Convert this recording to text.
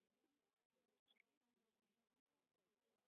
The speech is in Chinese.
丁廷标被推为制宪国大代表及行宪前立法委员。